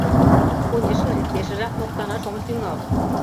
Конешне, пешыжак моктанаш ом тӱҥал.